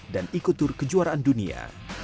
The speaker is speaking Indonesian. dan ikutur kejuaraan dunia